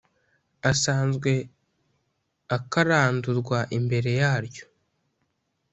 asanzwe akarandurwa imbere yaryo